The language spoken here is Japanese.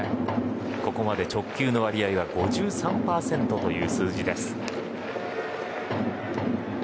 ここまで直球の割合が５３％という数字。